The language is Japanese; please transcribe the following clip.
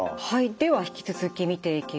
では引き続き見ていきます。